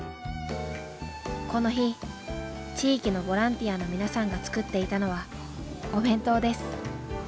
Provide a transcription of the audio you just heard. この日地域のボランティアの皆さんが作っていたのはお弁当です。